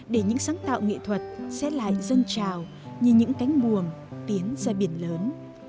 để những sáng tạo nghệ thuật sẽ lại dâng trào như những cánh buồm tiến ra biển lớn